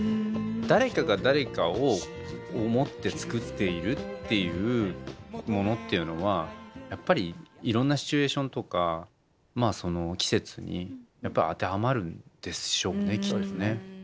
誰かが誰かを思って作っているっていうものっていうのはやっぱりいろんなシチュエーションとか季節に当てはまるんでしょうねきっとね。